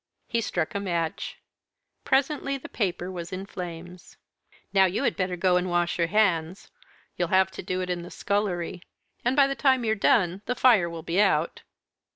He struck a match; presently the paper was in flames. "Now you had better go and wash your hands. You'll have to do it in the scullery; and by the time you're done, the fire will be out."